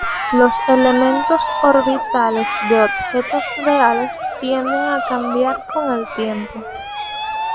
Los elementos orbitales de objetos reales tienden a cambiar con el tiempo.